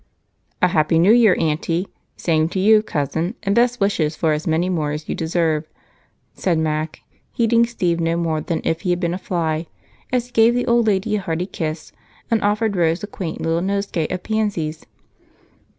"A happy New Year, Aunty, same to you, Cousin, and best wishes for as many more as you deserve," said Mac, heeding Steve no more than if he had been a fly as he gave the old lady a hearty kiss and offered Rose a quaint little nosegay of pansies.